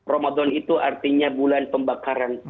ramadan itu artinya bulan pembakaran